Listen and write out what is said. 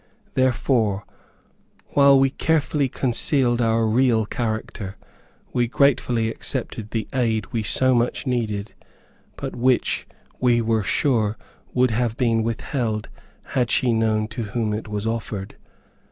Therefore, while we carefully concealed our real character, we gratefully accepted the aid we so much needed, but which, we were sure, would have been withheld had she known to whom it was offered.